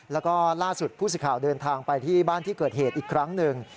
แล้วก็ล่าสุดผู้สิทธิ์เดินทางไปที่บ้านที่เกิดเหตุอีกครั้งหนึ่ง